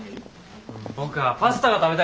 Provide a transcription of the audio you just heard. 僕はパスタが食べたいです。